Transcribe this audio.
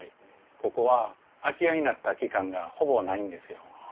ここは空き家になった期間がほぼないんですよ。